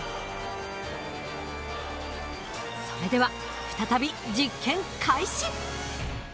それでは再び実験開始！